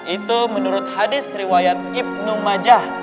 itu menurut hadis triwayat ibnu majah